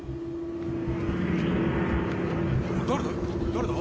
誰だ？